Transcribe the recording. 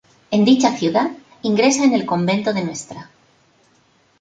En dicha ciudad ingresa en el Convento de Ntra.